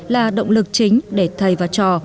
là động lực chính để thầy và trò